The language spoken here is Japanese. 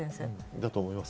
だと思います。